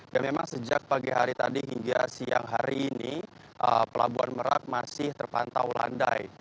dan memang sejak pagi hari tadi hingga siang hari ini pelabuhan merak masih terpantau landai